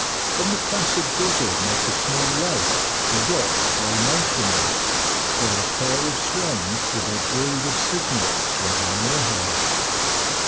On the placid bosom of the small lake the yacht lay motionless, while a pair of swans, with their brood of cygnets, swam near her.